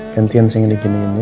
gantian saya yang diginiin ya